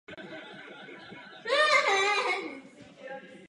Tři roky po nástupu na frontu byl těžce raněn na ruské frontě.